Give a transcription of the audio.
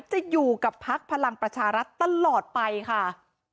จะอยู่กับพักพลังประชารัฐตลอดไปค่ะ